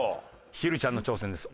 ひるちゃんの挑戦です。